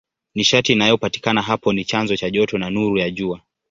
Nishati inayopatikana hapo ni chanzo cha joto na nuru ya Jua.